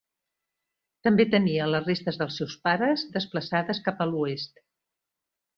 També tenia les restes dels seus pares desplaçades cap a l'oest.